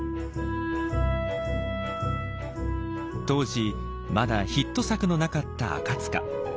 当時まだヒット作のなかった赤。